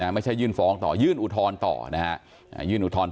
ไม่ใช่ยื่นฟ้องต่อยื่นอุทรณ์ต่อ